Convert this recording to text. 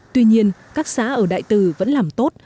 tuy nhiên các xã ở đại tử vẫn làm tốt